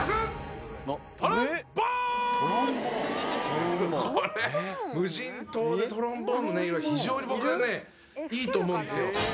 これ無人島でトロンボーンの音色非常に僕はねいいと思うんですよ